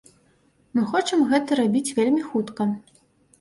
Мы хочам гэта рабіць вельмі хутка.